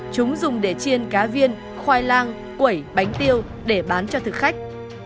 chúng dùng để chiên cá viên khoai lang quẩy bánh tiêu để bán cho thực khách